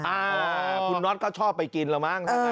อ่าคุณน็อตก็ชอบไปกินแล้วมั้ง